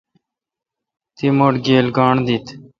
تی مٹھ گیل گانٹھ دیت؟